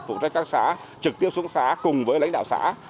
phụ trách các xã trực tiếp xuống xã cùng với lãnh đạo xã